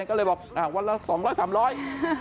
ก็เลยบอกวันละสองร้อยสามร้อย